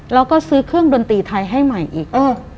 แล้วก็ซื้อเครื่องดนตรีไทยให้ใหม่อีก